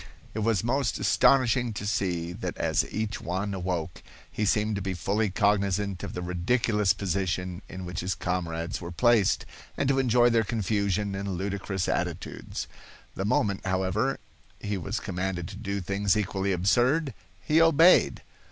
It was most astonishing to see that as each one awoke, he seemed to be fully cognizant of the ridiculous position in which his comrades were placed, and to enjoy their confusion and ludicrous attitudes. The moment, however, he was commanded to do things equally absurd, he obeyed.